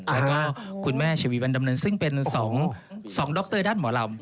แล้วก็คุณแม่ชวีวันดำเนินซึ่งเป็น๒ดรด้านหมอลำ